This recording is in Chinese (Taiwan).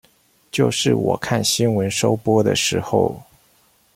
就是我看新聞收播的時候